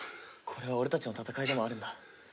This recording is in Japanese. これは俺たちの戦いでもあるんだ。